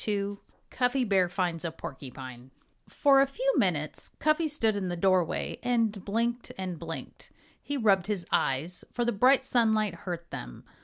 II CUFFY BEAR FINDS A PORCUPINE For a few minutes Cuffy stood in the doorway and blinked and blinked. He rubbed his eyes, for the bright sunlight hurt them.